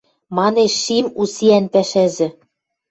— манеш шим усиӓн пӓшӓзӹ.